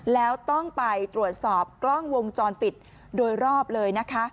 แล้วต้องไปตรวจสอบกล้องวงจรปิดโดยรอบเลยนะคะ